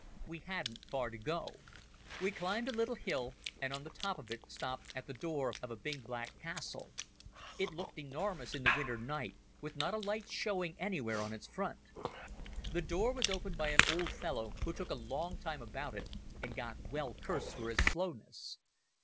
We hadn't far to go. We climbed a little hill and on the top of it stopped at the door of a big black castle. It looked enormous in the winter night, with not a light showing anywhere on its front. The door was opened by an old fellow who took a long time about it and got well cursed for his slowness.